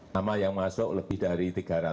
nama yang masuk lebih dari tiga ratus